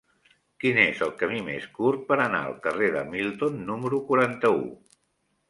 Quin és el camí més curt per anar al carrer de Milton número quaranta-u?